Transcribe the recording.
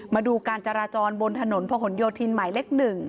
มาดูการจราจรบนถนนพะหนโยธินหมายเลข๑